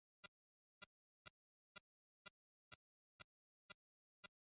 অনুসরণ কর তাদের যারা তোমাদের কাছে কোন প্রতিদান চায় না এবং যারা সৎপথ প্রাপ্ত।